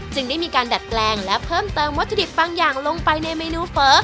ได้มีการดัดแปลงและเพิ่มเติมวัตถุดิบบางอย่างลงไปในเมนูเฟ้อ